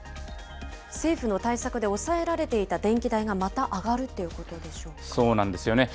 政府の対策で抑えられていた電気代がまた上がるということでそうなんですよね。